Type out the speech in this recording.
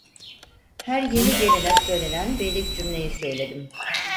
Her yeni gelene söylenen beylik cümleyi söyledim.